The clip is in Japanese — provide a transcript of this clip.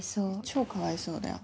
超かわいそうだよ。